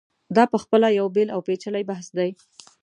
دا په خپله یو بېل او پېچلی بحث دی.